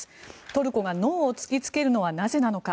トルコがノーを突きつけるのはなぜなのか。